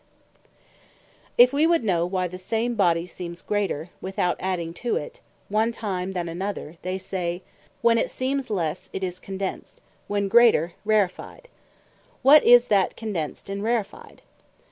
Quantity Put Into Body Already Made If we would know why the same Body seems greater (without adding to it) one time, than another; they say, when it seems lesse, it is Condensed; when greater, Rarefied. What is that Condensed, and Rarefied?